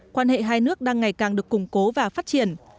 quan hệ hai nước đang ngày càng được củng cố và phát triển